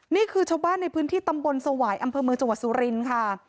นี่คือชาวบ้านในพื้นที่ตำบลสวายอำเภอเมืองจังหวัดสุรินทร์ค่ะ